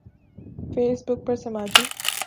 face بک پر سماجی